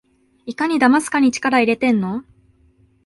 いかにだますかに力いれてんの？